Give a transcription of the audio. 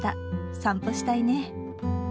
散歩したいね。